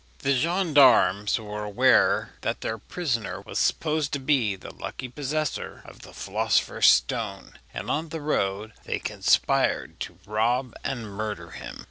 The gendarmes were aware that their prisoner was supposed to be the lucky possessor of the philosopher's stone, and on the road they conspired to rob and murder him.